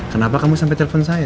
kenapa kamu sampai telepon saya